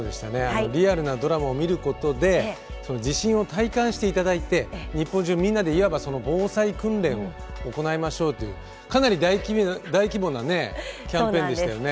リアルなドラマを見ることで地震を体感していただいて日本中みんなでいわば「防災訓練」を行いましょうというかなり大規模なキャンペーンでしたよね。